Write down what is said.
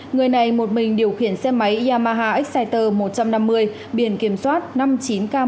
người này một mình điều khiển xe máy yamaha exciter một trăm năm mươi biển kiểm soát năm mươi chín k một bảy mươi chín nghìn bảy trăm tám mươi năm